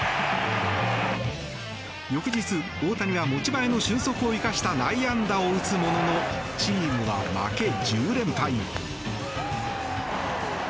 翌日、大谷は持ち前の俊足を生かした内野安打を打つもののチームは負け、１０連敗。